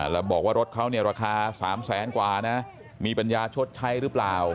แล้วบอกว่ารถเขาเนี่ยราคา๓แสนกว่านะมีปัญญาชดใช้หรือเปล่า